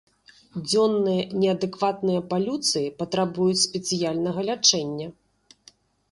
Дзённыя неадэкватныя палюцыі патрабуюць спецыяльнага лячэння.